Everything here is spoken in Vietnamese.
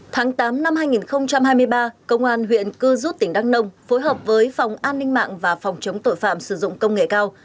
tháng tám năm hai nghìn hai mươi ba công an huyện cư rút tỉnh đăng nông phối hợp với phòng an ninh mạng và phòng chống tội phạm sử dụng công nghệ cao